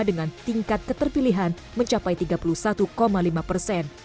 dengan tingkat keterpilihan mencapai tiga puluh satu lima persen